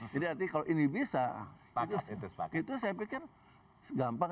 jadi artinya kalau ini bisa itu saya pikir gampang